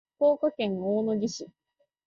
福岡県大野城市